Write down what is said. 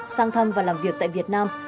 sang thăm và làm việc tại việt nam